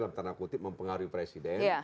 dalam tanda kutip mempengaruhi presiden